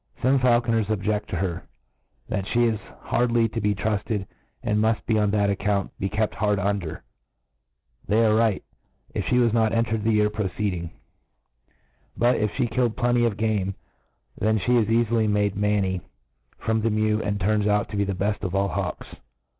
Some faulconers objeQ: to her, that (he is hardly to be trufted, and muft, on that account, be' kept hard under, 'They arc . right, if (he was not entered the year preceeding j but, if fhe killed plenty bf game, then fhe is eali ly made manny from the mew, and turns out to be the beft of all hawks.